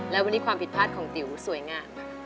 แล้ววันนี้ความผิดพลาดของติ๋วสวยงามมาก